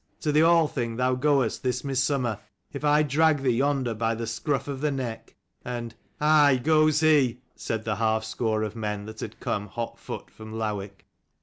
To the Althing thou goest this mid summer, if I drag thee yonder by the scruff of the neck." And "Aye, goes he," said the half score of men that had come hot foot from Lowick.